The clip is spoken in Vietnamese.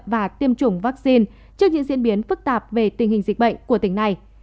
và tiêm chủng vaccine trước những diễn biến phức tạp về tình hình dịch bệnh của tỉnh này